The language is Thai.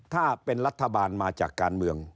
ถ้าเป็นรัฐบาลมาจากการเมือง